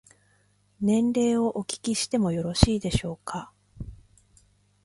年齢をお聞きしてもよろしいでしょうか。